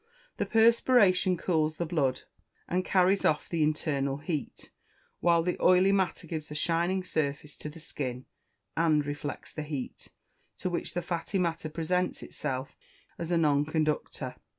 The perspiration cools the blood, and carries off the internal heat, while the oily matter gives a shining surface to the skin, and reflects the heat, to which the fatty matter presents itself as a non conductor.